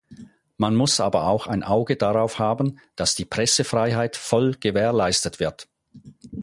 Man muss aber auch ein Auge darauf haben, dass die Pressefreiheit voll gewährleistet wird.